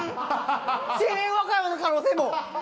智弁和歌山の可能性も。